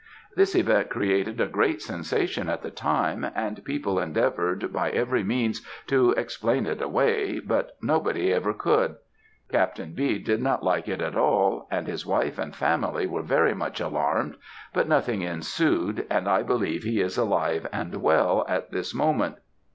"This event created a great sensation at the time; and people endeavoured by every means to explain it away, but nobody ever could. Captain B. did not like it at all; and his wife and family were very much alarmed, but nothing ensued, and I believe he is alive and well at this moment."